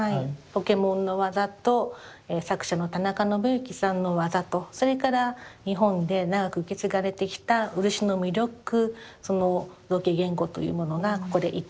ポケモンの技と作者の田中信行さんの技とそれから日本で長く受け継がれてきた漆の魅力その造形言語というものがここで一体化した